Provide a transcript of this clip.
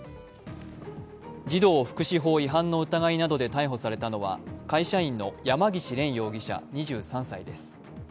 児童福祉法違反の疑いなどで逮捕されたのは会社員の山岸怜容疑者２３歳です。